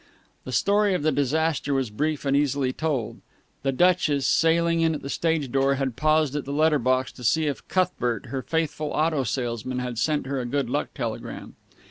The story of the disaster was brief and easily told. The Duchess, sailing in at the stage door, had paused at the letterbox to see if Cuthbert, her faithful auto salesman, had sent her a good luck telegram.